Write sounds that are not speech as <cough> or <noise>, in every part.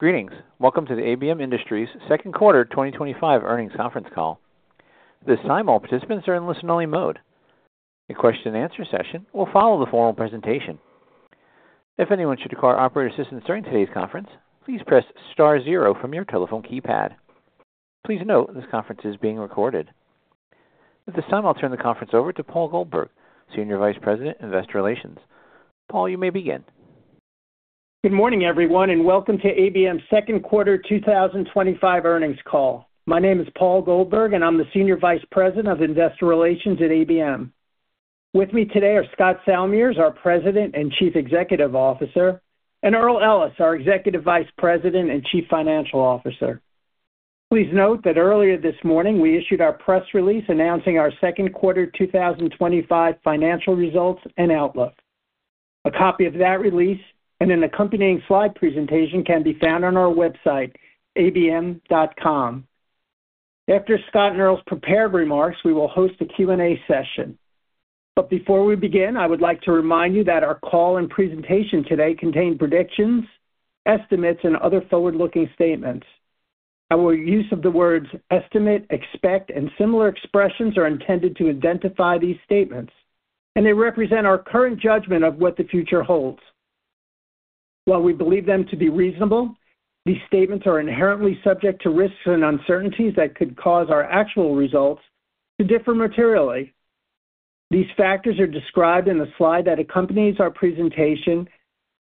Greetings. Welcome to the ABM Industries second quarter 2025 earnings conference call. At this time, all participants are in listen-only mode. The question-and-answer session will follow the formal presentation. If anyone should require operator assistance during today's conference, please press *0 from your telephone keypad. Please note this conference is being recorded. At this time, I'll turn the conference over to Paul Goldberg, Senior Vice President, Investor Relations. Paul, you may begin. Good morning, everyone, and welcome to ABM's 2nd Quarter 2025 earnings call. My name is Paul Goldberg, and I'm the Senior Vice President of Investor Relations at ABM. With me today are Scott Salmirs, our President and Chief Executive Officer, and Earl Ellis, our Executive Vice President and Chief Financial Officer. Please note that earlier this morning we issued our press release announcing our second quarter 2025 financial results and outlook. A copy of that release and an accompanying slide presentation can be found on our website, abm.com. After Scott and Earl's prepared remarks, we will host a Q&A session. Before we begin, I would like to remind you that our call and presentation today contain predictions, estimates, and other forward-looking statements. Our use of the words estimate, expect, and similar expressions is intended to identify these statements, and they represent our current judgment of what the future holds. While we believe them to be reasonable, these statements are inherently subject to risks and uncertainties that could cause our actual results to differ materially. These factors are described in the slide that accompanies our presentation,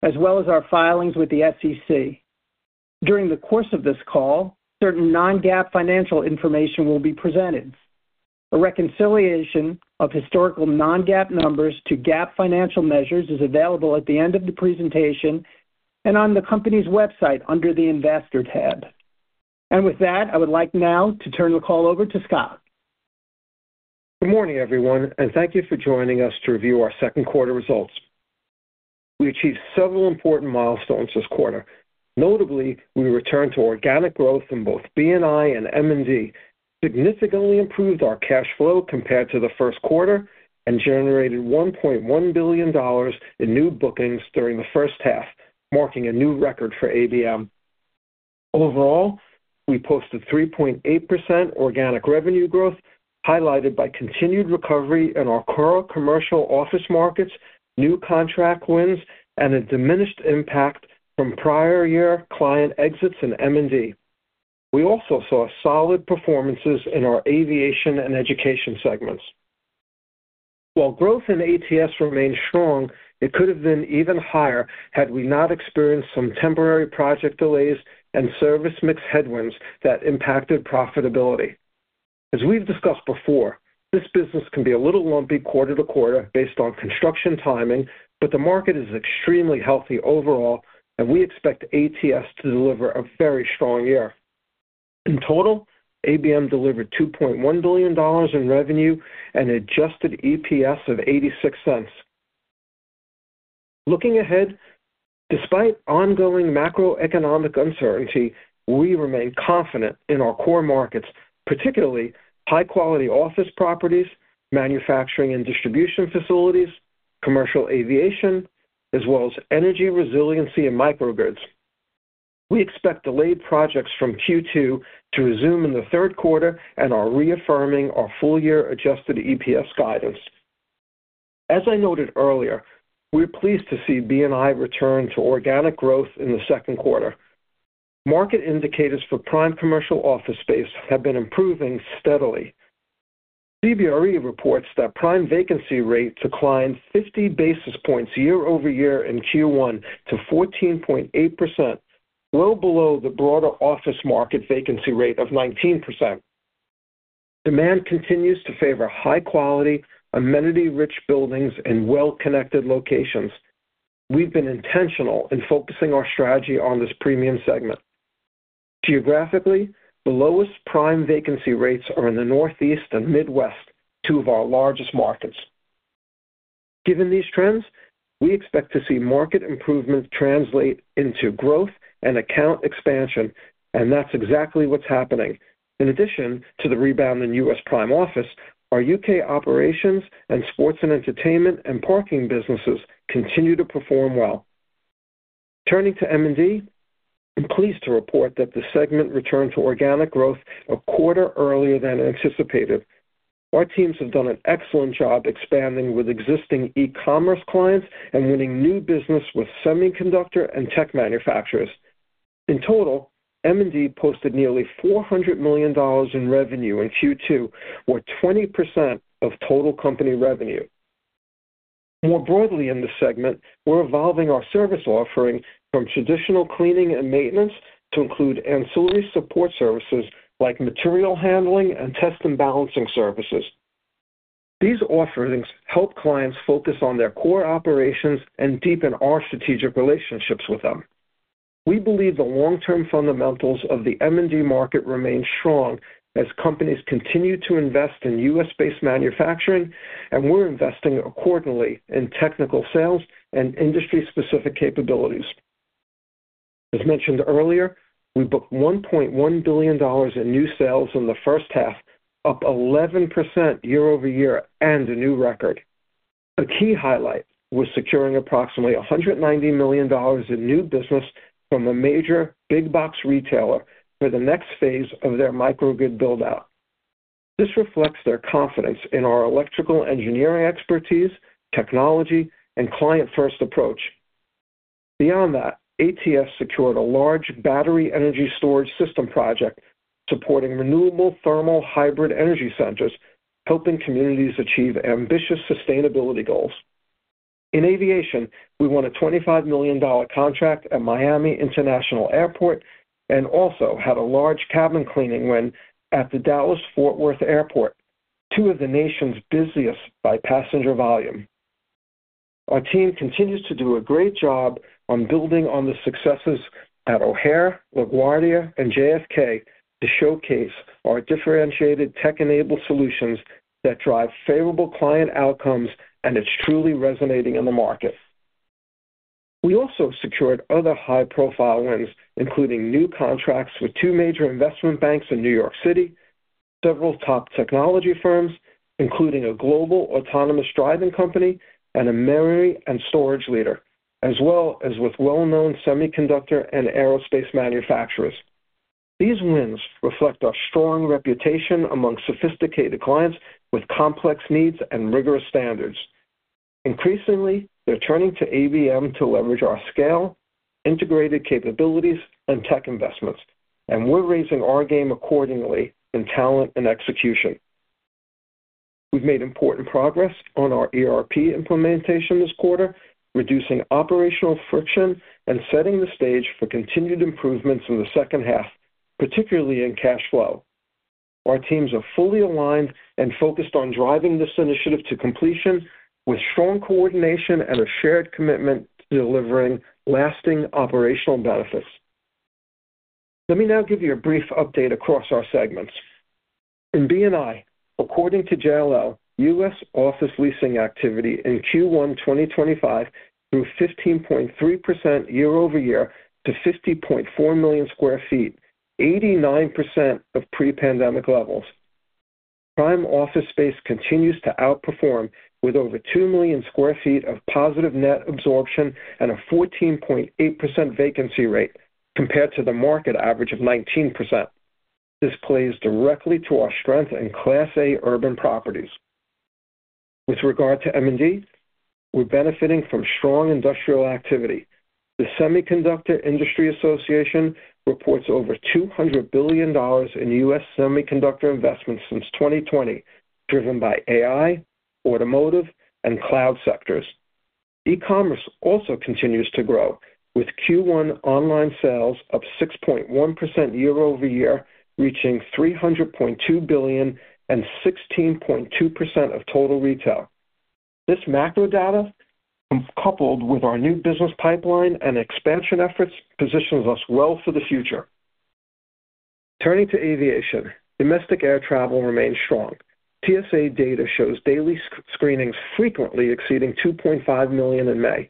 as well as our filings with the SEC. During the course of this call, certain non-GAAP financial information will be presented. A reconciliation of historical non-GAAP numbers to GAAP financial measures is available at the end of the presentation and on the company's website under the Investor tab. I would like now to turn the call over to Scott. Good morning, everyone, and thank you for joining us to review our second quarter results. We achieved several important milestones this quarter. Notably, we returned to organic growth in both B&I and M&D. We significantly improved our cash flow compared to the first quarter and generated $1.1 billion in new bookings during the first half, marking a new record for ABM. Overall, we posted 3.8% organic revenue growth, highlighted by continued recovery in our core commercial office markets, new contract wins, and a diminished impact from prior year client exits in M&D. We also saw solid performances in our aviation and education segments. While growth in ATS remains strong, it could have been even higher had we not experienced some temporary project delays and service mix headwinds that impacted profitability. As we've discussed before, this business can be a little lumpy quarter to quarter based on construction timing, but the market is extremely healthy overall, and we expect ATS to deliver a very strong year. In total, ABM delivered $2.1 billion in revenue and an adjusted EPS of $0.86. Looking ahead, despite ongoing macroeconomic uncertainty, we remain confident in our core markets, particularly high-quality office properties, manufacturing and distribution facilities, commercial aviation, as well as energy resiliency and microgrids. We expect delayed projects from Q2 to resume in the third quarter and are reaffirming our full-year adjusted EPS guidance. As I noted earlier, we're pleased to see B&I return to organic growth in the second quarter. Market indicators for prime commercial office space have been improving steadily. CBRE reports that prime vacancy rates declined 50 basis points year-over-year in Q1 to 14.8%, well below the broader office market vacancy rate of 19%. Demand continues to favor high-quality, amenity-rich buildings in well-connected locations. We've been intentional in focusing our strategy on this premium segment. Geographically, the lowest prime vacancy rates are in the Northeast and Midwest, two of our largest markets. Given these trends, we expect to see market improvement translate into growth and account expansion, and that's exactly what's happening. In addition to the rebound in U.S. prime office, our U.K. operations and sports and entertainment and parking businesses continue to perform well. Turning to M&D, I'm pleased to report that the segment returned to organic growth a quarter earlier than anticipated. Our teams have done an excellent job expanding with existing e-commerce clients and winning new business with semiconductor and tech manufacturers. In total, M&D posted nearly $400 million in revenue in Q2, or 20% of total company revenue. More broadly in this segment, we're evolving our service offering from traditional cleaning and maintenance to include ancillary support services like material handling and test and balancing services. These offerings help clients focus on their core operations and deepen our strategic relationships with them. We believe the long-term fundamentals of the M&D market remain strong as companies continue to invest in U.S.-based manufacturing, and we're investing accordingly in technical sales and industry-specific capabilities. As mentioned earlier, we booked $1.1 billion in new sales in the first half, +11% year-over-year and a new record. A key highlight was securing approximately $190 million in new business from a major big-box retailer for the next phase of their microgrid build-out. This reflects their confidence in our electrical engineering expertise, technology, and client-first approach. Beyond that, ATS secured a large battery energy storage system project supporting renewable thermal hybrid energy centers, helping communities achieve ambitious sustainability goals. In aviation, we won a $25 million contract at Miami International Airport and also had a large cabin cleaning win at the Dallas Fort Worth Airport, two of the nation's busiest by passenger volume. Our team continues to do a great job on building on the successes at O'Hare, LaGuardia, and JFK to showcase our differentiated tech-enabled solutions that drive favorable client outcomes and are truly resonating in the market. We also secured other high-profile wins, including new contracts with two major investment banks in New York City, several top technology firms, including a global autonomous driving company and a memory and storage leader, as well as with well-known semiconductor and aerospace manufacturers. These wins reflect our strong reputation among sophisticated clients with complex needs and rigorous standards. Increasingly, they're turning to ABM to leverage our scale, integrated capabilities, and tech investments, and we're raising our game accordingly in talent and execution. We've made important progress on our ERP implementation this quarter, reducing operational friction and setting the stage for continued improvements in the second half, particularly in cash flow. Our teams are fully aligned and focused on driving this initiative to completion with strong coordination and a shared commitment to delivering lasting operational benefits. Let me now give you a brief update across our segments. In B&I, according to JLL, U.S. office leasing activity in Q1 2025 grew 15.3% year-over-year to 50.4 million sq ft, 89% of pre-pandemic levels. Prime office space continues to outperform with over 2 million sq ft of positive net absorption and a 14.8% vacancy rate compared to the market average of 19%. This plays directly to our strength in Class A urban properties. With regard to M&D, we're benefiting from strong industrial activity. The Semiconductor Industry Association reports over $200 billion in U.S. semiconductor investments since 2020, driven by AI, automotive, and cloud sectors. E-commerce also continues to grow, with Q1 online sales of 6.1% year-over-year reaching $300.2 billion and 16.2% of total retail. This macro data, coupled with our new business pipeline and expansion efforts, positions us well for the future. Turning to aviation, domestic air travel remains strong. TSA data shows daily screenings frequently exceeding 2.5 million in May.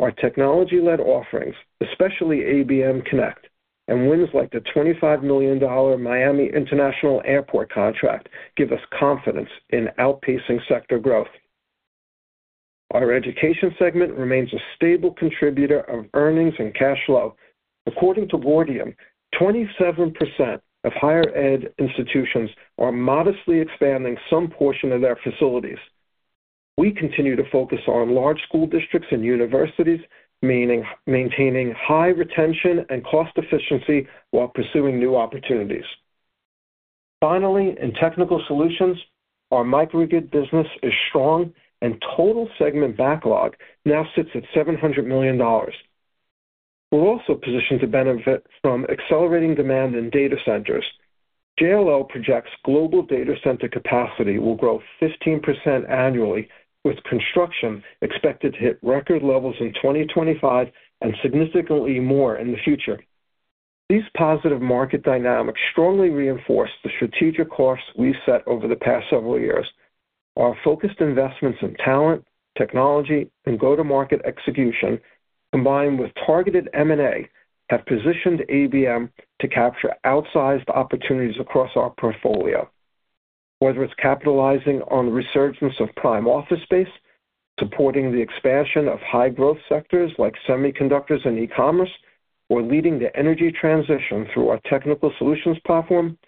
Our technology-led offerings, especially ABM Connect, and wins like the $25 million Miami International Airport contract give us confidence in outpacing sector growth. Our education segment remains a stable contributor of earnings and cash flow. According to Gordian, 27% of higher-ed institutions are modestly expanding some portion of their facilities. We continue to focus on large school districts and universities, maintaining high retention and cost efficiency while pursuing new opportunities. Finally, in Technical Solutions, our microgrid business is strong, and total segment backlog now sits at $700 million. We're also positioned to benefit from accelerating demand in data centers. JLL projects global data center capacity will grow 15% annually, with construction expected to hit record levels in 2025 and significantly more in the future. These positive market dynamics strongly reinforce the strategic course we've set over the past several years. Our focused investments in talent, technology, and go-to-market execution, combined with targeted M&A, have positioned ABM to capture outsized opportunities across our portfolio. Whether it's capitalizing on the resurgence of prime office space, supporting the expansion of high-growth sectors like semiconductors and e-commerce, or leading the energy transition through our technical solutions platform,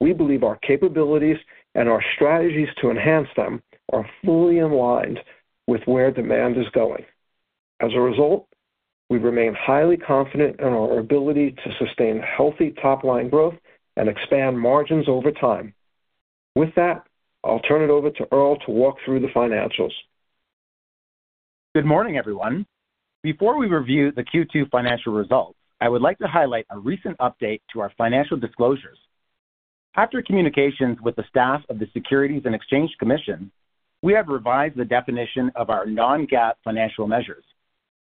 we believe our capabilities and our strategies to enhance them are fully in line with where demand is going. As a result, we remain highly confident in our ability to sustain healthy top-line growth and expand margins over time. With that, I'll turn it over to Earl to walk through the financials. Good morning, everyone. Before we review the Q2 financial results, I would like to highlight a recent update to our financial disclosures. After communications with the staff of the Securities and Exchange Commission, we have revised the definition of our non-GAAP financial measures,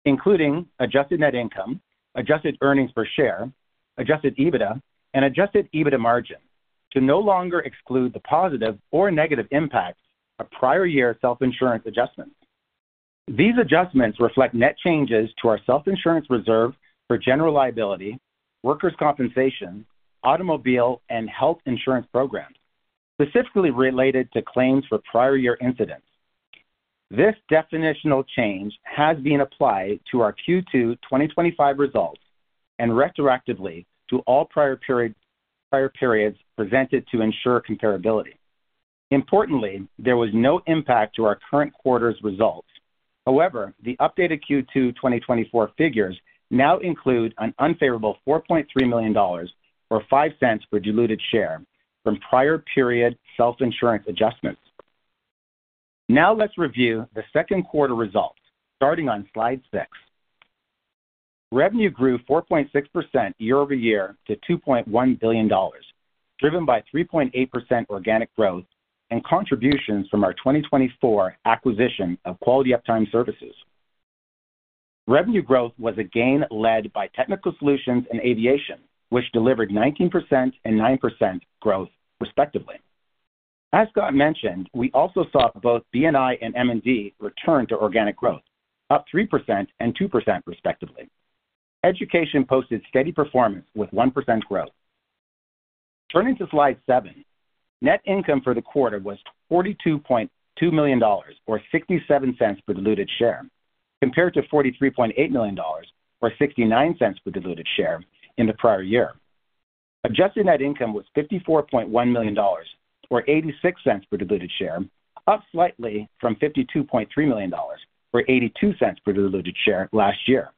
including adjusted net income, adjusted earnings per share, adjusted EBITDA, and adjusted EBITDA margin, to no longer exclude the positive or negative impacts of prior year self-insurance adjustments. These adjustments reflect net changes to our self-insurance reserve for general liability, workers' compensation, automobile, and health insurance programs, specifically related to claims for prior year incidents. This definitional change has been applied to our Q2 2025 results and retroactively to all prior periods presented to ensure comparability. Importantly, there was no impact to our current quarter's results. However, the updated Q2 2024 figures now include an unfavorable $4.3 million or $0.05 per diluted share from prior period self-insurance adjustments. Now let's review the 2nd Quarter results, starting on Slide 6. Revenue grew 4.6% year-over-year to $2.1 billion, driven by 3.8% organic growth and contributions from our 2024 acquisition of Quality Uptime Services. Revenue growth was a gain led by Technical Solutions and Aviation, which delivered 19% and 9% growth, respectively. As Scott mentioned, we also saw both B&I and M&D return to organic growth, +3% and +2%, respectively. Education posted steady performance with 1% growth. Turning to Slide 7, net income for the quarter was $42.2 million or $0.67 per diluted share, compared to $43.8 million or $0.69 per diluted share in the prior year. Adjusted net income was $54.1 million or $0.86 per diluted share, up slightly from $52.3 million or $0.82 per diluted share last year.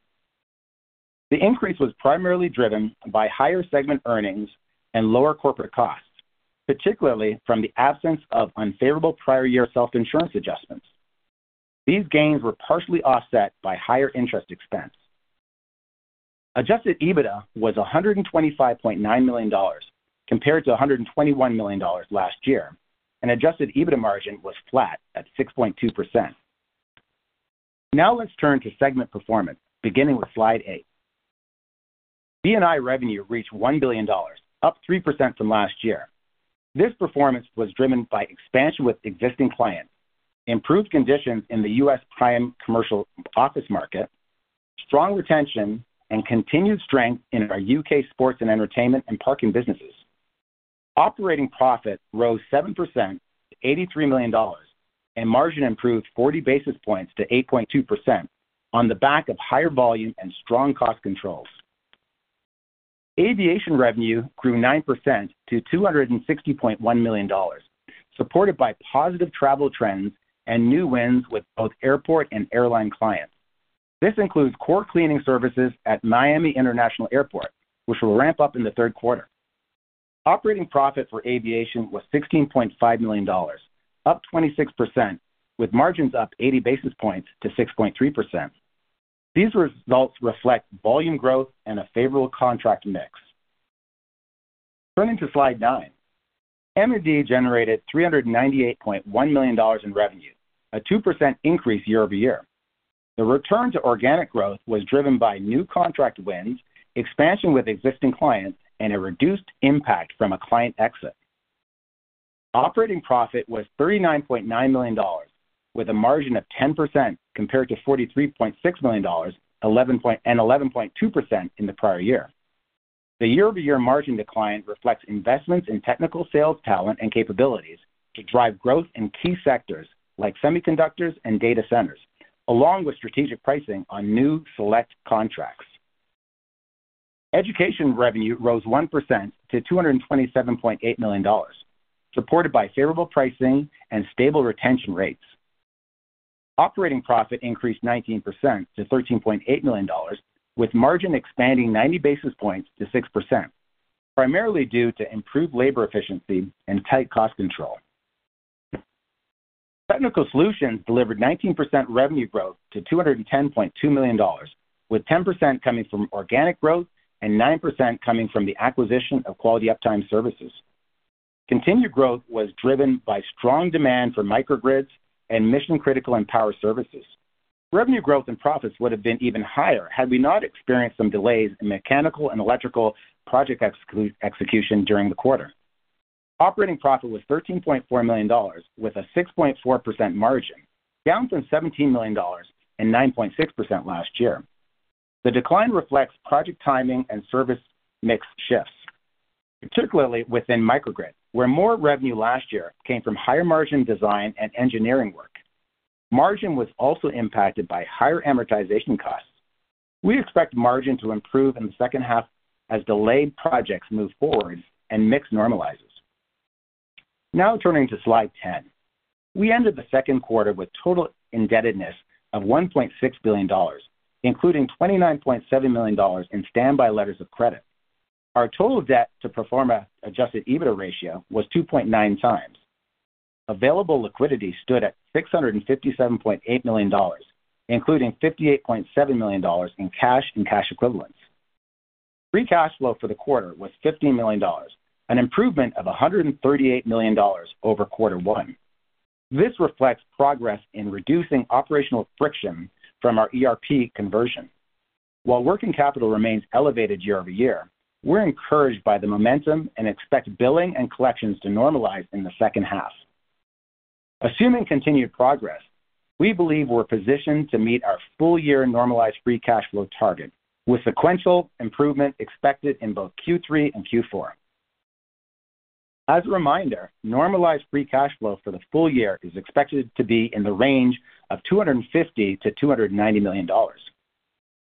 The increase was primarily driven by higher segment earnings and lower corporate costs, particularly from the absence of unfavorable prior year self-insurance adjustments. These gains were partially offset by higher interest expense. Adjusted EBITDA was $125.9 million, compared to $121 million last year, and adjusted EBITDA margin was flat at 6.2%. Now let's turn to segment performance, beginning with Slide 8. B&I revenue reached $1 billion, +3% from last year. This performance was driven by expansion with existing clients, improved conditions in the U.S. prime commercial office market, strong retention, and continued strength in our U.K. sports and entertainment and parking businesses. Operating profit rose 7% to $83 million, and margin improved 40 basis points to 8.2% on the back of higher volume and strong cost controls. Aviation revenue grew 9% to $260.1 million, supported by positive travel trends and new wins with both airport and airline clients. This includes core cleaning services at Miami International Airport, which will ramp up in the third quarter. Operating profit for aviation was $16.5 million, +26%, with margins +80 basis points to 6.3%. These results reflect volume growth and a favorable contract mix. Turning to Slide 9, M&D generated $398.1 million in revenue, a 2% increase year-over-year. The return to organic growth was driven by new contract wins, expansion with existing clients, and a reduced impact from a client exit. Operating profit was $39.9 million, with a margin of 10% compared to $43.6 million and 11.2% in the prior year. The year-over-year margin decline reflects investments in technical sales talent and capabilities to drive growth in key sectors like semiconductors and data centers, along with strategic pricing on new select contracts. Education revenue rose 1% to $227.8 million, supported by favorable pricing and stable retention rates. Operating profit increased 19% to $13.8 million, with margin expanding 90 basis points to 6%, primarily due to improved labor efficiency and tight cost control. Technical Solutions delivered 19% revenue growth to $210.2 million, with 10% coming from organic growth and 9% coming from the acquisition of Quality Uptime Services. Continued growth was driven by strong demand for microgrids and mission-critical and power services. Revenue growth and profits would have been even higher had we not experienced some delays in mechanical and electrical project execution during the quarter. Operating profit was $13.4 million, with a 6.4% margin, down from $17 million and 9.6% last year. The decline reflects project timing and service mix shifts, particularly within microgrid, where more revenue last year came from higher margin design and engineering work. Margin was also impacted by higher amortization costs. We expect margin to improve in the second half as delayed projects move forward and mix normalizes. Now turning to Slide 10, we ended the second quarter with total indebtedness of $1.6 billion, including $29.7 million in standby letters of credit. Our total debt-to-performance adjusted EBITDA ratio was 2.9 times. Available liquidity stood at $657.8 million, including $58.7 million in cash and cash equivalents. Free cash flow for the quarter was $15 million, an improvement of $138 million over quarter one. This reflects progress in reducing operational friction from our ERP conversion. While working capital remains ELEVATEd year-over-year, we're encouraged by the momentum and expect billing and collections to normalize in the second half. Assuming continued progress, we believe we're positioned to meet our full-year normalized free cash flow target, with sequential improvement expected in both Q3 and Q4. As a reminder, normalized free cash flow for the full year is expected to be in the range of $250-$290 million.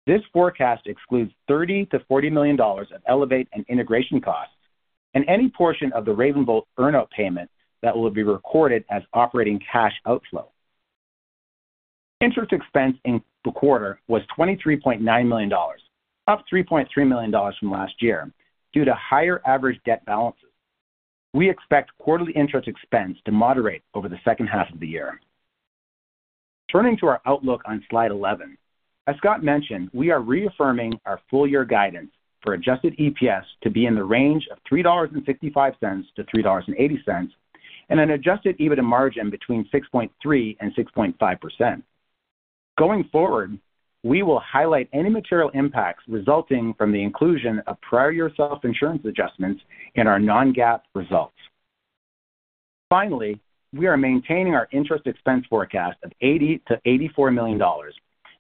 This forecast excludes $30-$40 million of ELEVATE and integration costs and any portion of the RavenVolt earn-out payment that will be recorded as operating cash outflow. Interest expense in the quarter was $23.9 million, up $3.3 million from last year due to higher average debt balances. We expect quarterly interest expense to moderate over the second half of the year. Turning to our outlook on Slide 11, as Scott mentioned, we are reaffirming our full-year guidance for adjusted EPS to be in the range of $3.65-$3.80 and an adjusted EBITDA margin between 6.3%-6.5%. Going forward, we will highlight any material impacts resulting from the inclusion of prior year self-insurance adjustments in our non-GAAP results. Finally, we are maintaining our interest expense forecast of $80-$84 million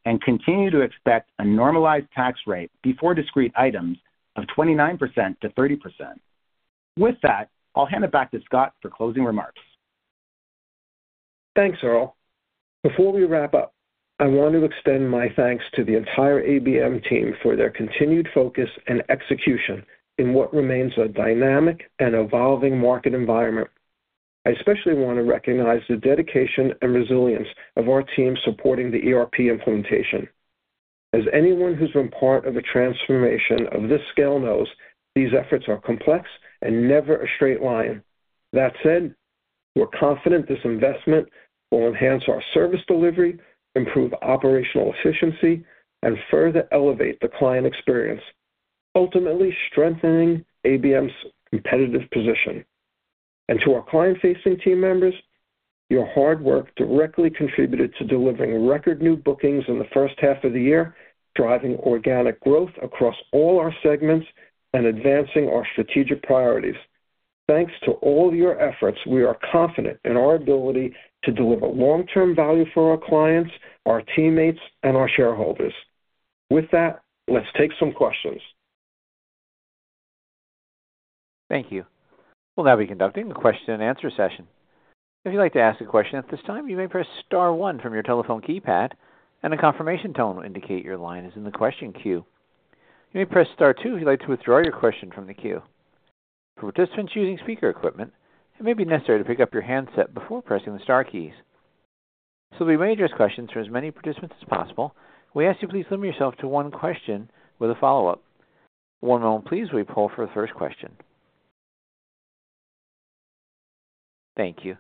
and continue to expect a normalized tax rate before discrete items of 29%-30%. With that, I'll hand it back to Scott for closing remarks. Thanks, Earl. Before we wrap up, I want to extend my thanks to the entire ABM team for their continued focus and execution in what remains a dynamic and evolving market environment. I especially want to recognize the dedication and resilience of our team supporting the ERP implementation. As anyone who's been part of the transformation of this scale knows, these efforts are complex and never a straight line. That said, we're confident this investment will enhance our service delivery, improve operational efficiency, and further ELEVATE the client experience, ultimately strengthening ABM's competitive position. To our client-facing team members, your hard work directly contributed to delivering record new bookings in the first half of the year, driving organic growth across all our segments, and advancing our strategic priorities. Thanks to all your efforts, we are confident in our ability to deliver long-term value for our clients, our teammates, and our shareholders. With that, let's take some questions. Thank you. We'll now be conducting the question-and-answer session. If you'd like to ask a question at this time, you may press *1 from your telephone keypad, and a confirmation tone will indicate your line is in the question queue. You may press *2 if you'd like to withdraw your question from the queue. For participants using speaker equipment, it may be necessary to pick up your handset before pressing the * keys. So we may address questions from as many participants as possible, we ask that you please limit yourself to one question with a follow-up. One moment, please, while we pull for the first question. Thank you.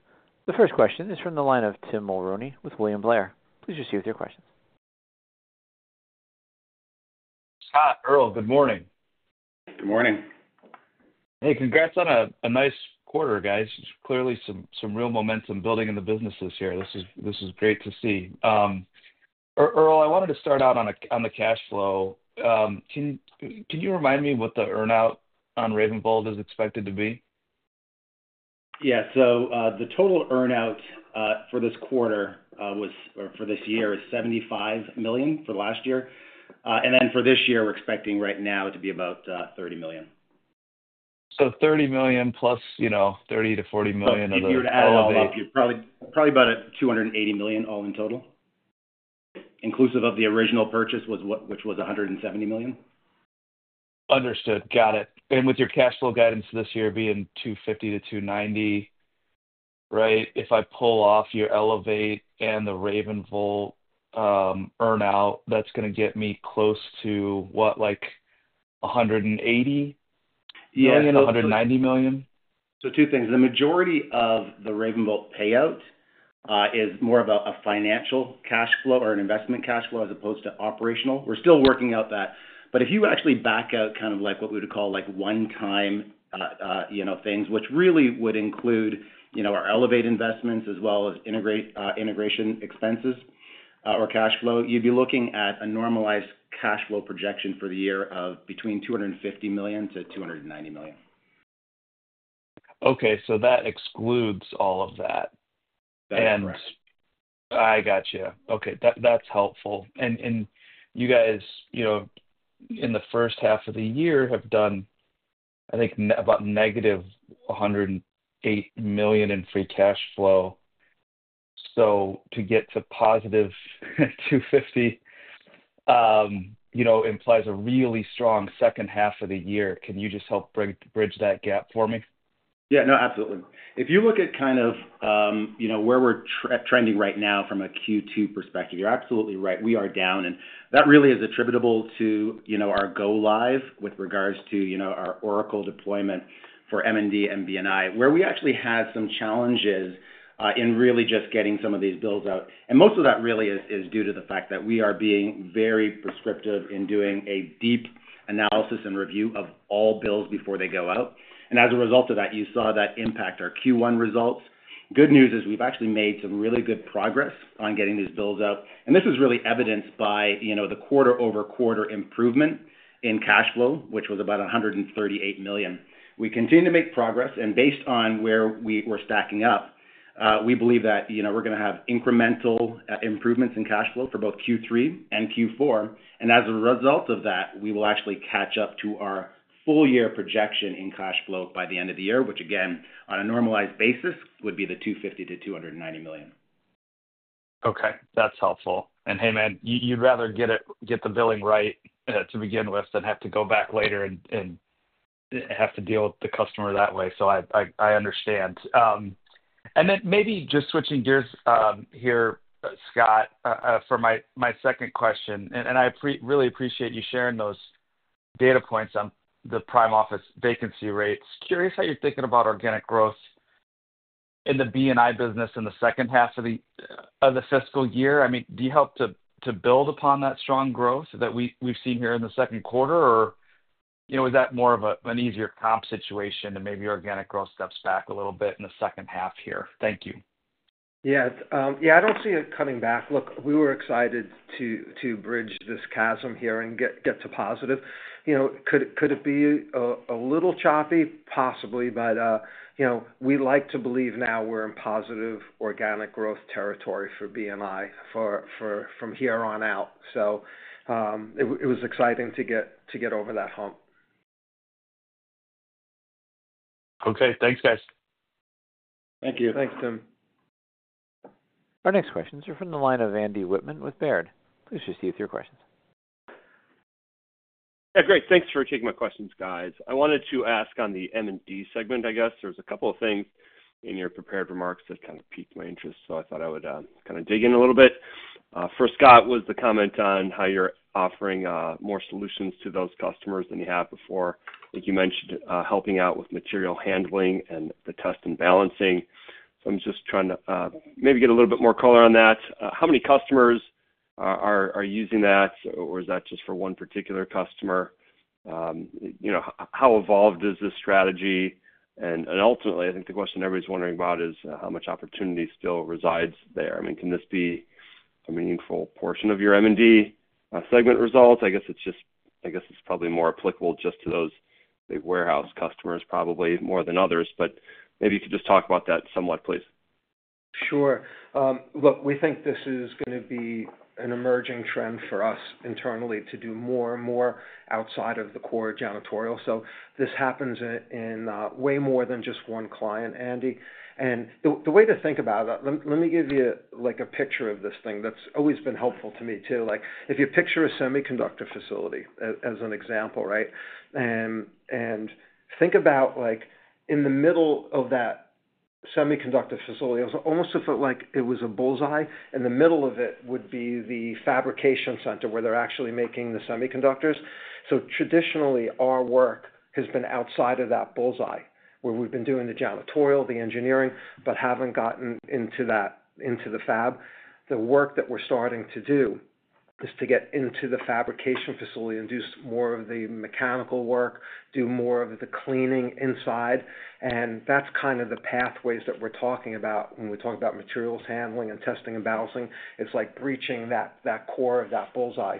The first question is from the line of Tim Mulrooney with William Blair. Please proceed with your questions. Hi, Earl. Good morning. Good morning. Hey, congrats on a nice quarter, guys. Clearly, some real momentum building in the business this year. This is great to see. Earl, I wanted to start out on the cash flow. Can you remind me what the earn-out on RavenVolt is expected to be? Yeah. The total earn-out for this quarter was, or for this year, is $75 million for last year. For this year, we're expecting right now to be about $30 million. $30 million plus $30-$40 million of ELEVATE? <crosstalk> You're at ELEVATE. Probably about $280 million all in total, inclusive of the original purchase, which was $170 million. Understood. Got it. With your cash flow guidance this year being $250-$290, right, if I pull off your ELEVATE and the RavenVolt earn-out, that's going to get me close to what, like $180 million? Yes. $190 million? Two things. The majority of the RavenVolt payout is more of a financial cash flow or an investment cash flow as opposed to operational. We're still working out that. If you actually back out kind of what we would call one-time things, which really would include our ELEVATE investments as well as integration expenses or cash flow, you'd be looking at a normalized cash flow projection for the year of between $250 million-$290 million. Okay. So that excludes all of that. That is correct. I gotcha. Okay. That's helpful. You guys, in the first half of the year, have done, I think, about - $108 million in free cash flow. To get to + $250 million implies a really strong second half of the year. Can you just help bridge that gap for me? Yeah. No, absolutely. If you look at kind of where we're trending right now from a Q2 perspective, you're absolutely right. We are down. That really is attributable to our go-live with regards to our Oracle deployment for M&D and B&I, where we actually had some challenges in really just getting some of these bills out. Most of that really is due to the fact that we are being very prescriptive in doing a deep analysis and review of all bills before they go out. As a result of that, you saw that impact our Q1 results. Good news is we've actually made some really good progress on getting these bills out. This is really evidenced by the quarter-over-quarter improvement in cash flow, which was about $138 million. We continue to make progress. Based on where we were stacking up, we believe that we're going to have incremental improvements in cash flow for both Q3 and Q4. As a result of that, we will actually catch up to our full-year projection in cash flow by the end of the year, which, again, on a normalized basis, would be the $250-$290 million. Okay. That's helpful. Hey, man, you'd rather get the billing right to begin with than have to go back later and have to deal with the customer that way. I understand. Maybe just switching gears here, Scott, for my second question. I really appreciate you sharing those data points on the prime office vacancy rates. Curious how you're thinking about organic growth in the B&I business in the second half of the fiscal year. I mean, do you hope to build upon that strong growth that we've seen here in the second quarter, or is that more of an easier comp situation and maybe organic growth steps back a little bit in the second half here? Thank you. Yeah. Yeah. I don't see it coming back. Look, we were excited to bridge this chasm here and get to positive. Could it be a little choppy? Possibly. But we like to believe now we're in positive organic growth territory for B&I from here on out. So it was exciting to get over that hump. Okay. Thanks, guys. Thank you. Thanks, Tim. Our next questions are from the line of Andy Whitman with Baird. Please proceed with your questions. Yeah. Great. Thanks for taking my questions, guys. I wanted to ask on the M&D segment, I guess. There's a couple of things in your prepared remarks that kind of piqued my interest, so I thought I would kind of dig in a little bit. First, Scott, was the comment on how you're offering more solutions to those customers than you have before. I think you mentioned helping out with material handling and the test and balancing. So I'm just trying to maybe get a little bit more color on that. How many customers are using that, or is that just for one particular customer? How evolved is this strategy? Ultimately, I think the question everybody's wondering about is how much opportunity still resides there? I mean, can this be a meaningful portion of your M&D segment results? I guess it's just, I guess it's probably more applicable just to those big warehouse customers, probably more than others. Maybe you could just talk about that somewhat, please. Sure. Look, we think this is going to be an emerging trend for us internally to do more and more outside of the core janitorial. This happens in way more than just one client, Andy. The way to think about it, let me give you a picture of this thing that's always been helpful to me too. If you picture a semiconductor facility as an example, right, and think about in the middle of that semiconductor facility, it was almost like it was a bullseye. In the middle of it would be the fabrication center where they're actually making the semiconductors. Traditionally, our work has been outside of that bullseye where we've been doing the janitorial, the engineering, but have not gotten into the fab. The work that we're starting to do is to get into the fabrication facility and do more of the mechanical work, do more of the cleaning inside. That's kind of the pathways that we're talking about when we talk about materials handling and testing and balancing. It's like breaching that core of that bullseye.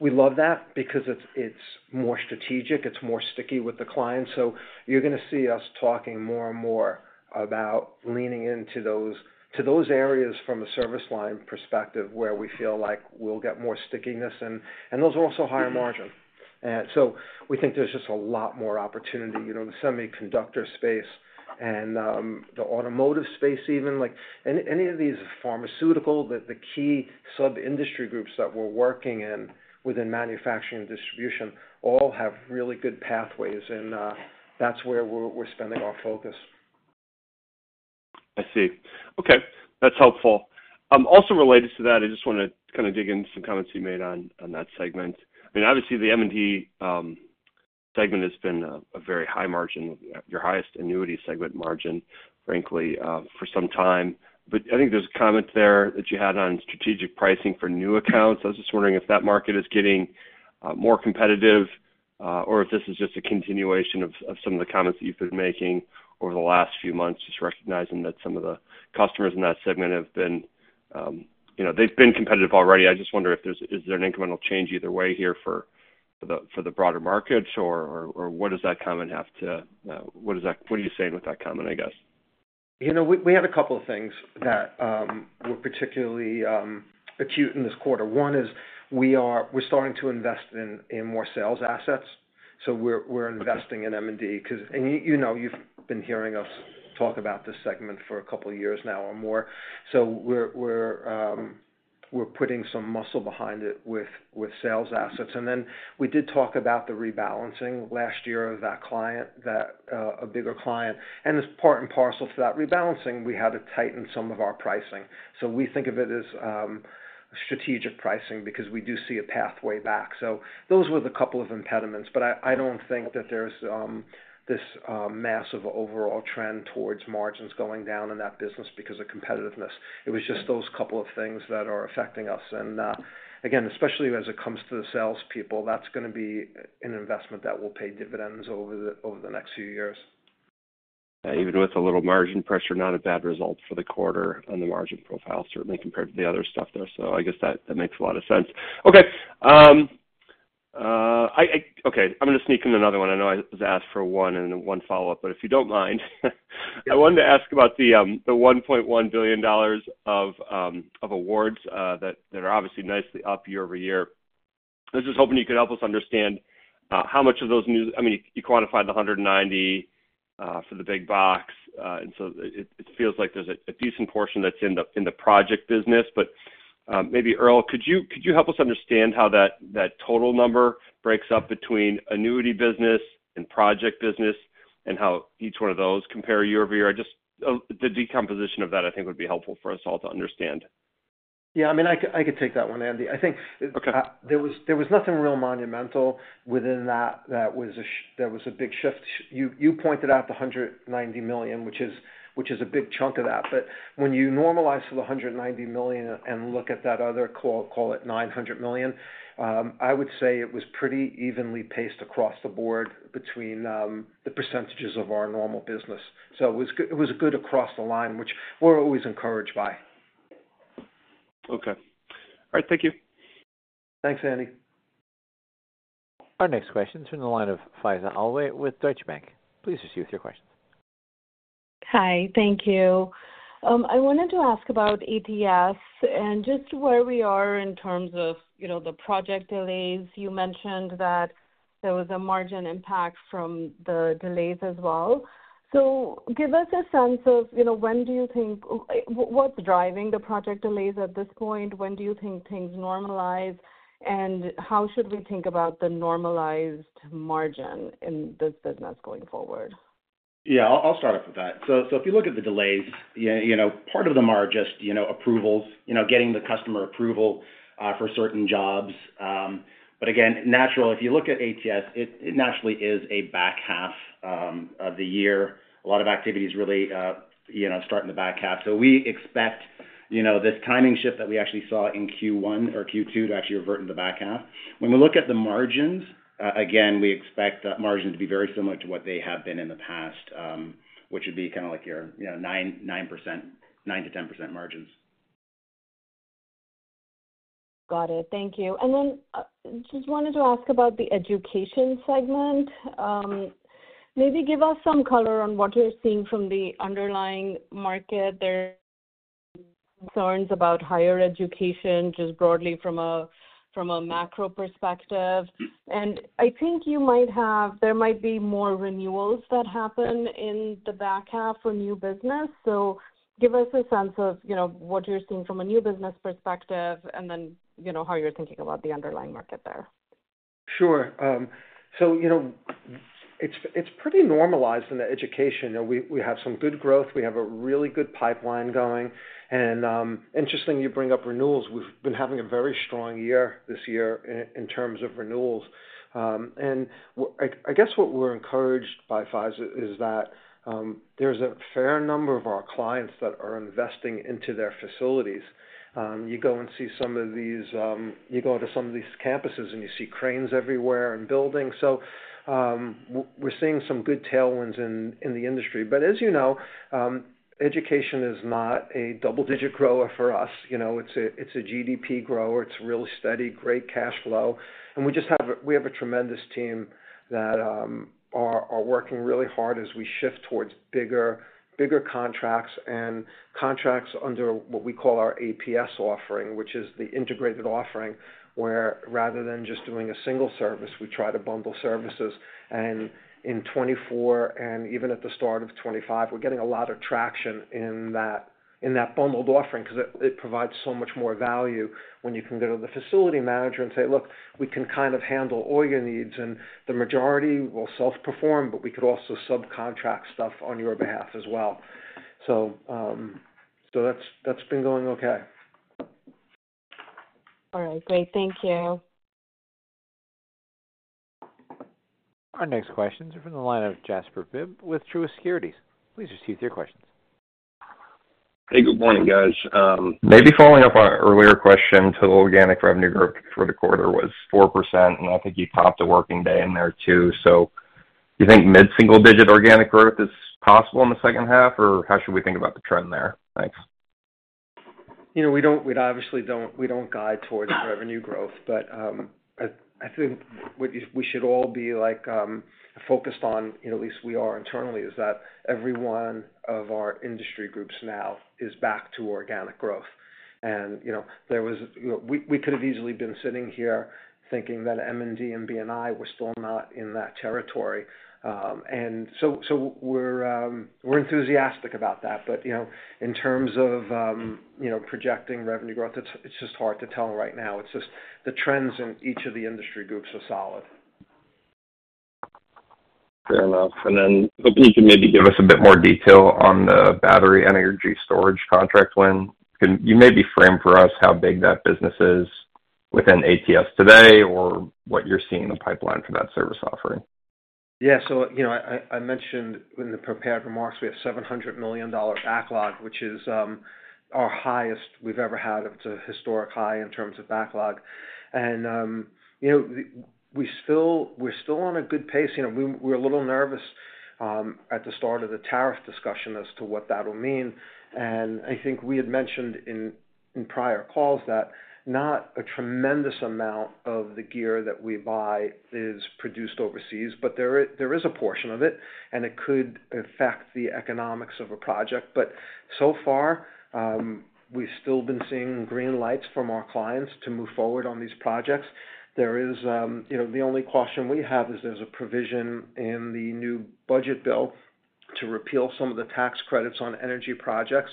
We love that because it's more strategic. It's more sticky with the client. You're going to see us talking more and more about leaning into those areas from a service line perspective where we feel like we'll get more stickiness. Those are also higher margin. We think there's just a lot more opportunity in the semiconductor space and the automotive space even. Any of these pharmaceutical, the key sub-industry groups that we're working in within manufacturing and distribution all have really good pathways. That's where we're spending our focus. I see. Okay. That's helpful. Also related to that, I just want to kind of dig into some comments you made on that segment. I mean, obviously, the M&D segment has been a very high margin, your highest annuity segment margin, frankly, for some time. I think there's a comment there that you had on strategic pricing for new accounts. I was just wondering if that market is getting more competitive or if this is just a continuation of some of the comments that you've been making over the last few months, just recognizing that some of the customers in that segment have been competitive already. I just wonder if there's an incremental change either way here for the broader market, or what does that comment have to—what are you saying with that comment, I guess? We had a couple of things that were particularly acute in this quarter. One is we're starting to invest in more sales assAPS. We're investing in M&D because you've been hearing us talk about this segment for a couple of years now or more. We're putting some muscle behind it with sales assAPS. We did talk about the rebalancing last year of that client, a bigger client. As part and parcel to that rebalancing, we had to tighten some of our pricing. We think of it as strategic pricing because we do see a pathway back. Those were the couple of impediments. I don't think that there's this massive overall trend towards margins going down in that business because of competitiveness. It was just those couple of things that are affecting us. Again, especially as it comes to the salespeople, that's going to be an investment that will pay dividends over the next few years. Yeah. Even with a little margin pressure, not a bad result for the quarter on the margin profile, certainly compared to the other stuff there. I guess that makes a lot of sense. Okay. I'm going to sneak in another one. I know I was asked for one and then one follow-up, but if you don't mind. I wanted to ask about the $1.1 billion of awards that are obviously nicely up year-over-year. I was just hoping you could help us understand how much of those new, I mean, you quantified the $190 for the big box. It feels like there's a decent portion that's in the project business. Maybe, Earl, could you help us understand how that total number breaks up between annuity business and project business and how each one of those compare year-over-year? Just the decomposition of that, I think, would be helpful for us all to understand. Yeah. I mean, I could take that one, Andy. I think there was nothing real monumental within that that was a big shift. You pointed out the $190 million, which is a big chunk of that. When you normalize to the $190 million and look at that other, call it, $900 million, I would say it was pretty evenly paced across the board between the percentages of our normal business. It was good across the line, which we're always encouraged by. Okay. All right. Thank you. Thanks, Andy. Our next question is from the line of Faiza Alwy with Deutsche Bank. Please proceed with your questions. Hi. Thank you. I wanted to ask about APS and just where we are in terms of the project delays. You mentioned that there was a margin impact from the delays as well. Give us a sense of when do you think what's driving the project delays at this point? When do you think things normalize? How should we think about the normalized margin in this business going forward? Yeah. I'll start off with that. If you look at the delays, part of them are just approvals, getting the customer approval for certain jobs. Again, if you look at APS, it naturally is a back half of the year. A lot of activities really start in the back half. We expect this timing shift that we actually saw in Q1 or Q2 to actually revert in the back half. When we look at the margins, again, we expect that margin to be very similar to what they have been in the past, which would be kind of like your 9%-10% margins. Got it. Thank you. I just wanted to ask about the education segment. Maybe give us some color on what you're seeing from the underlying market. There are concerns about higher education just broadly from a macro perspective. I think you might have, there might be more renewals that happen in the back half for new business. Give us a sense of what you're seeing from a new business perspective and then how you're thinking about the underlying market there. Sure. So it's pretty normalized in the education. We have some good growth. We have a really good pipeline going. Interesting you bring up renewals. We've been having a very strong year this year in terms of renewals. I guess what we're encouraged by, Faiza, is that there's a fair number of our clients that are investing into their facilities. You go and see some of these, you go to some of these campuses, and you see cranes everywhere and buildings. We're seeing some good tailwinds in the industry. As you know, education is not a double-digit grower for us. It's a GDP grower. It's really steady, great cash flow. We have a tremendous team that are working really hard as we shift towards bigger contracts and contracts under what we call our APS offering, which is the integrated offering where, rather than just doing a single service, we try to bundle services. In 2024 and even at the start of 2025, we're getting a lot of traction in that bundled offering because it provides so much more value when you can go to the facility manager and say, "Look, we can kind of handle all your needs. The majority will self-perform, but we could also subcontract stuff on your behalf as well." That's been going okay. All right. Great. Thank you. Our next questions are from the line of Jasper Bibb with Truist Securities. Please proceed with your questions. Hey. Good morning, guys. Maybe following up on our earlier question, the organic revenue growth for the quarter was 4%. I think you popped a working day in there too. Do you think mid-single-digit organic growth is possible in the second half, or how should we think about the trend there? Thanks. We obviously do not guide towards revenue growth. I think what we should all be focused on, at least we are internally, is that every one of our industry groups now is back to organic growth. We could have easily been sitting here thinking that M&D and B&I were still not in that territory. We are enthusiastic about that. In terms of projecting revenue growth, it is just hard to tell right now. The trends in each of the industry groups are solid. Fair enough. Hoping you can maybe give us a bit more detail on the battery energy storage contract win. Can you maybe frame for us how big that business is within ATS today or what you are seeing in the pipeline for that service offering? Yeah. I mentioned in the prepared remarks, we have a $700 million backlog, which is our highest we've ever had. It's a historic high in terms of backlog. We're still on a good pace. We were a little nervous at the start of the tariff discussion as to what that will mean. I think we had mentioned in prior calls that not a tremendous amount of the gear that we buy is produced overseas, but there is a portion of it, and it could affect the economics of a project. So far, we've still been seeing green lights from our clients to move forward on these projects. The only caution we have is there's a provision in the new budget bill to repeal some of the tax credits on energy projects.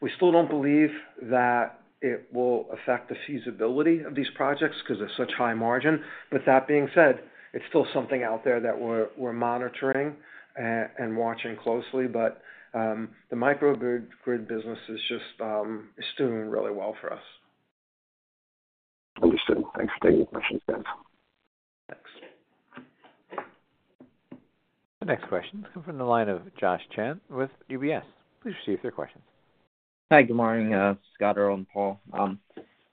We still don't believe that it will affect the feasibility of these projects because of such high margin. With that being said, it's still something out there that we're monitoring and watching closely. The microgrid business is just doing really well for us. Understood. Thanks for taking the questions, guys. Thanks. The next question is from the line of Josh Chan with UBS. Please proceed with your questions. Hi. Good morning, Scott, Earl, and Paul.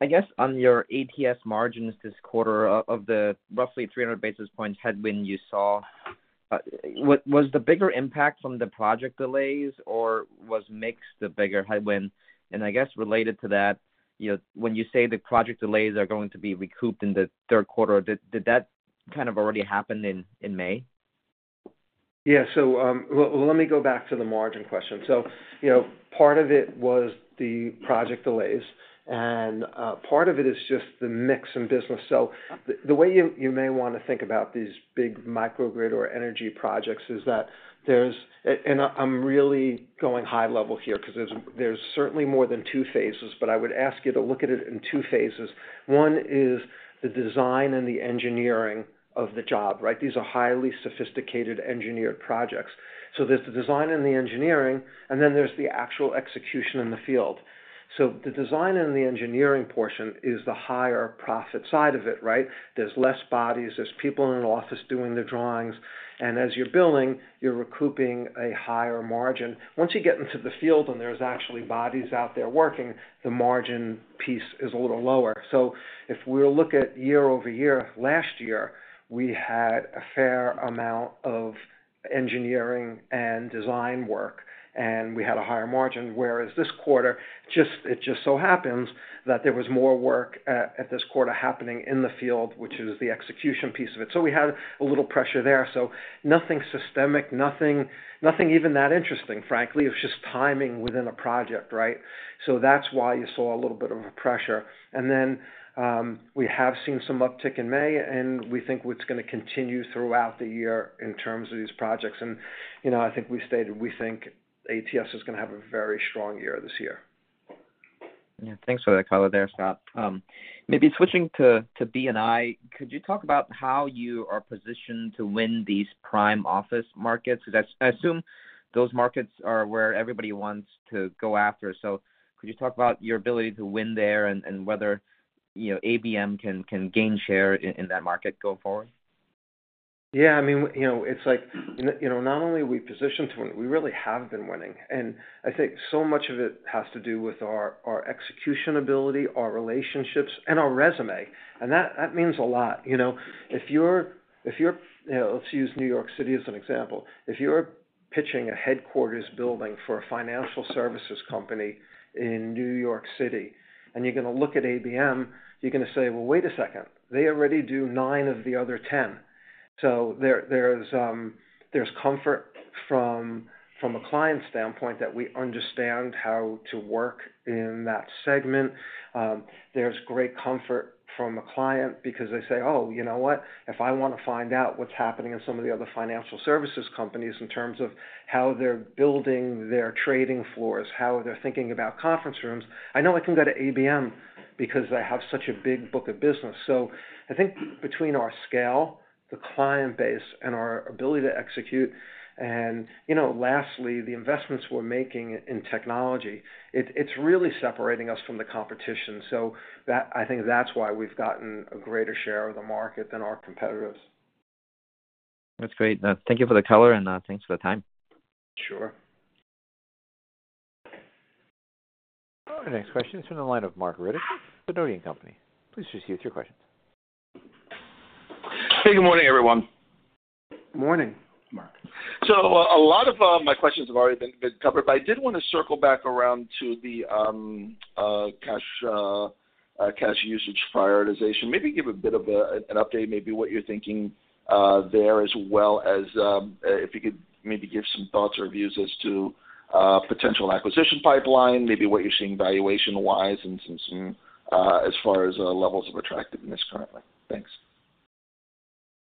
I guess on your ATS margins this quarter, of the roughly 300 basis points headwind you saw, was the bigger impact from the project delays or was mix the bigger headwind? I guess related to that, when you say the project delays are going to be recouped in the third quarter, did that kind of already happen in May? Yeah. Let me go back to the margin question. Part of it was the project delays, and part of it is just the mix in business. The way you may want to think about these big microgrid or energy projects is that there's—and I'm really going high level here because there's certainly more than two phases—but I would ask you to look at it in two phases. One is the design and the engineering of the job, right? These are highly sophisticated engineered projects. There's the design and the engineering, and then there's the actual execution in the field. The design and the engineering portion is the higher profit side of it, right? There's less bodies. There's people in an office doing the drawings. As you're building, you're recouping a higher margin. Once you get into the field and there's actually bodies out there working, the margin piece is a little lower. If we look at year-over-year, last year, we had a fair amount of engineering and design work, and we had a higher margin. Whereas this quarter, it just so happens that there was more work at this quarter happening in the field, which is the execution piece of it. We had a little pressure there. Nothing systemic, nothing even that interesting, frankly. It was just timing within a project, right? That is why you saw a little bit of a pressure. We have seen some uptick in May, and we think it's going to continue throughout the year in terms of these projects. I think we stated we think ATS is going to have a very strong year this year. Yeah. Thanks for that, Earl, there, Scott. Maybe switching to B&I, could you talk about how you are positioned to win these prime office markets? Because I assume those markets are where everybody wants to go after. Could you talk about your ability to win there and whether ABM can gain share in that market going forward? Yeah. I mean, it's like not only are we positioned to win, we really have been winning. I think so much of it has to do with our execution ability, our relationships, and our resume. That means a lot. If you're—let's use New York City as an example. If you're pitching a headquarters building for a financial services company in New York City and you're going to look at ABM, you're going to say, "Wait a second. They already do nine of the other 10." There is comfort from a client standpoint that we understand how to work in that segment. There is great comfort from a client because they say, "Oh, you know what? If I want to find out what's happening in some of the other financial services companies in terms of how they're building their trading floors, how they're thinking about conference rooms, I know I can go to ABM because they have such a big book of business. I think between our scale, the client base, and our ability to execute, and lastly, the investments we're making in technology, it's really separating us from the competition. I think that's why we've gotten a greater share of the market than our competitors. That's great. Thank you for the color, and thanks for the time. Sure. Our next question is from the line of Marc Riddick with Northcoast Research. Please proceed with your questions. Hey. Good morning, everyone. Morning, Marc. A lot of my questions have already been covered, but I did want to circle back around to the cash usage prioritization. Maybe give a bit of an update, maybe what you're thinking there as well as if you could maybe give some thoughts or views as to potential acquisition pipeline, maybe what you're seeing valuation-wise and as far as levels of attractiveness currently. Thanks.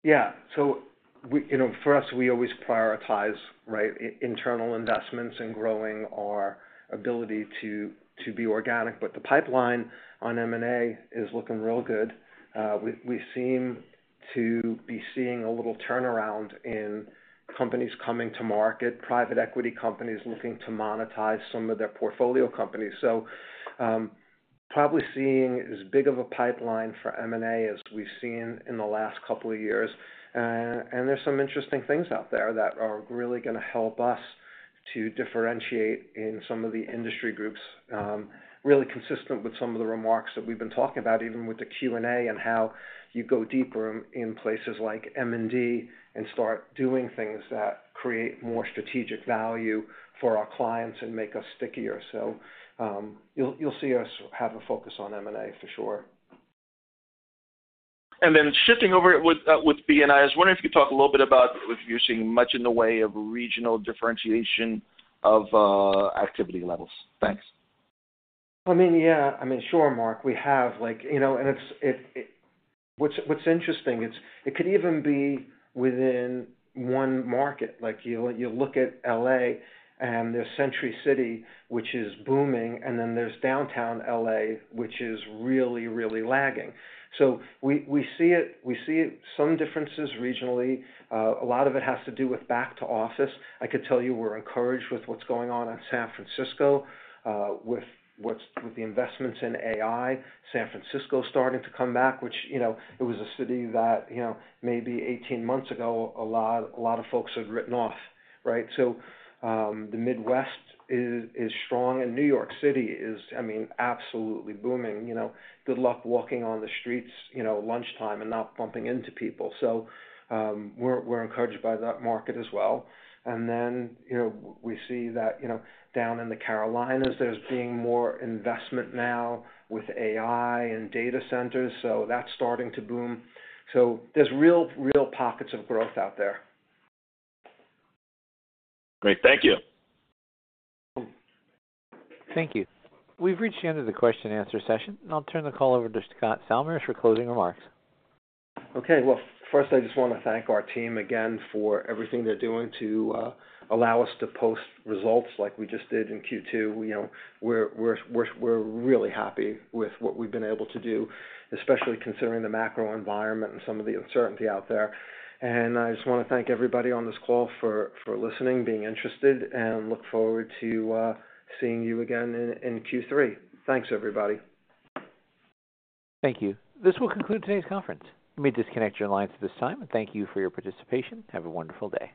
Yeah. For us, we always prioritize, right, internal investments and growing our ability to be organic. The pipeline on M&A is looking real good. We seem to be seeing a little turnaround in companies coming to market, private equity companies looking to monetize some of their portfolio companies. Probably seeing as big of a pipeline for M&A as we've seen in the last couple of years. There are some interesting things out there that are really going to help us to differentiate in some of the industry groups, really consistent with some of the remarks that we've been talking about, even with the Q&A and how you go deeper in places like M&D and start doing things that create more strategic value for our clients and make us stickier. You'll see us have a focus on M&A for sure. Shifting over with B&I, I was wondering if you could talk a little bit about if you're seeing much in the way of regional differentiation of activity levels. Thanks. I mean, yeah. I mean, sure, Marc. We have. And what's interesting, it could even be within one market. You look at L.A., and there's Century City, which is booming, and then there's downtown L.A., which is really, really lagging. We see some differences regionally. A lot of it has to do with back to office. I could tell you we're encouraged with what's going on in San Francisco with the investments in AI, San Francisco starting to come back, which it was a city that maybe 18 months ago, a lot of folks had written off, right? The Midwest is strong, and New York City is, I mean, absolutely booming. Good luck walking on the streets at lunchtime and not bumping into people. We're encouraged by that market as well. We see that down in the Carolinas, there's being more investment now with AI and data centers. That is starting to boom. There are real pockets of growth out there. Great. Thank you. Thank you. We've reached the end of the Q&A session, and I'll turn the call over to Scott Salmirs for closing remarks. Okay. First, I just want to thank our team again for everything they're doing to allow us to post results like we just did in Q2. We're really happy with what we've been able to do, especially considering the macro environment and some of the uncertainty out there. I just want to thank everybody on this call for listening, being interested, and look forward to seeing you again in Q3. Thanks, everybody. Thank you. This will conclude today's conference. We may disconnect your lines at this time. Thank you for your participation. Have a wonderful day.